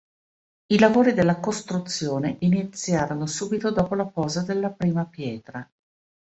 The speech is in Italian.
I lavori della costruzione iniziarono subito dopo la posa della prima pietra.